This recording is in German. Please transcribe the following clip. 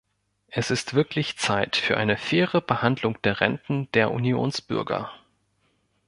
Es ist wirklich Zeit für eine faire Behandlung der Renten der Unionsbürger.